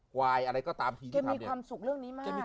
ควายอะไรก็ตามทีที่ทำเนี่ยเก็บมีความสุขเรื่องนี้มาก